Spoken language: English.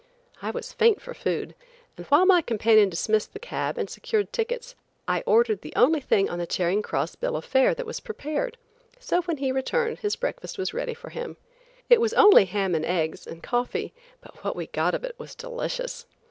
I was faint for food, and while my companion dismissed the cab and secured tickets, I ordered the only thing on the Charing Cross bill of fare that was prepared, so when he returned, his breakfast was ready for him. It was only ham and eggs, and coffee, but what we got of it was delicious.